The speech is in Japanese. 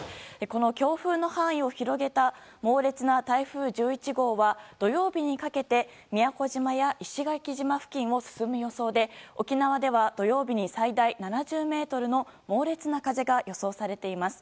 この強風の範囲を広げた猛烈な台風１１号は土曜日にかけて宮古島や石垣島付近を進む予想で沖縄では、土曜日に最大７０メートルの猛烈な風が予想されています。